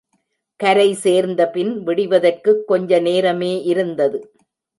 கரை சேர்ந்தபின் விடிவதற்குக் கொஞ்ச நேரமே இருந்தது.